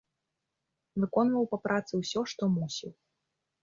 Выконваў па працы ўсё, што мусіў.